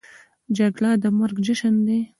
جګړه د مرګ جشن دی